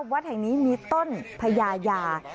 วัดแห่งนี้มีต้นพญา